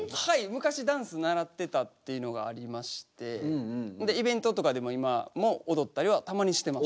昔ダンス習ってたっていうのがありましてイベントとかでも今もおどったりはたまにしてます。